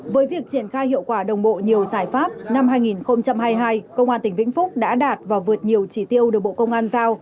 với việc triển khai hiệu quả đồng bộ nhiều giải pháp năm hai nghìn hai mươi hai công an tỉnh vĩnh phúc đã đạt và vượt nhiều chỉ tiêu được bộ công an giao